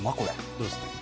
どうですか？